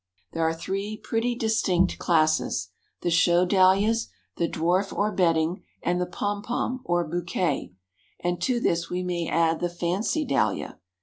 There are three pretty distinct classes, the Show Dahlias, the Dwarf or Bedding, and the Pompon or Bouquet, and to this we may add the Fancy Dahlia.